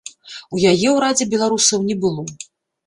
У яе ўрадзе беларусаў не было.